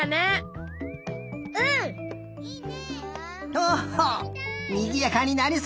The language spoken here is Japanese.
ほっほにぎやかになりそうだ！